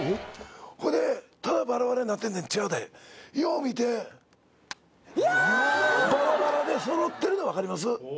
ほいでただバラバラになってんねん違うでよう見てバラバラでそろってるの分かります？